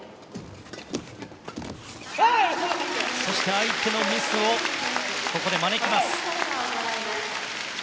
そして、相手のミスをここで招きます。